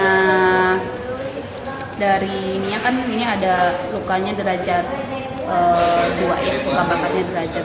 nah dari ini kan mungkin ada lukanya derajat dua luka bakarnya derajat dua